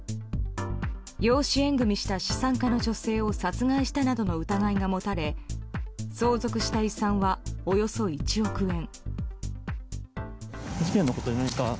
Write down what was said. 養子縁組した資産家の女性を殺害したなどの疑いが持たれ相続した遺産はおよそ１億円。